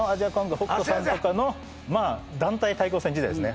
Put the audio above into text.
北斗さんとかの団体対抗戦時代ですね